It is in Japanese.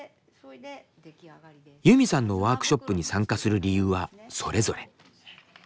ユミさんのワークショップに参加する理由はそれぞれ。